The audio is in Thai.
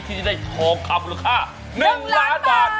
ที่จะได้โทรคำราคะ๑ล้านบาท